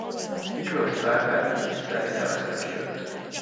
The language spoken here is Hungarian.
Miklós cár belügyminiszterré nevezte ki őt.